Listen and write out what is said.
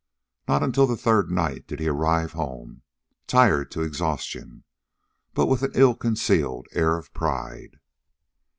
Not until the third night did he arrive home, tired to exhaustion, but with an ill concealed air of pride.